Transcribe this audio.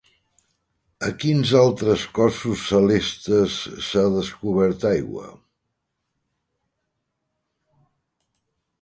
A quins altres cossos celestes s'ha descobert aigua?